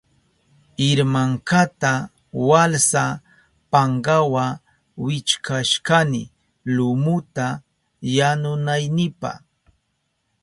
Irmankata walsa pankawa wichkashkani lumuta yanunaynipa.